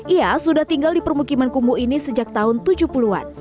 ia sudah tinggal di permukiman kumuh ini sejak tahun tujuh puluh an